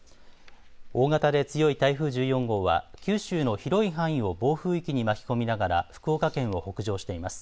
大型で強い台風１４号は九州の広い範囲を暴風域に巻き込みながら福岡県を北上しています。